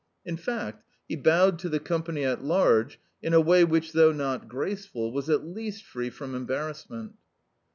In fact, he bowed to the company at large in a way which, though not graceful, was at least free from embarrassment.